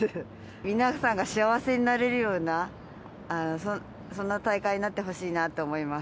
皆さんが幸せになれるような、そんな大会になってほしいなと思います。